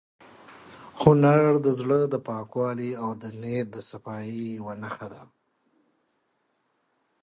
هنر د زړه د پاکوالي او د نیت د صفایۍ یوه نښه ده.